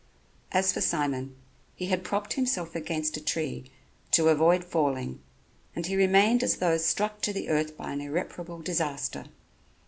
As for Simon, he had propped himself against a tree to avoid falling and he remained as though struck to the earth by an irreparable disaster.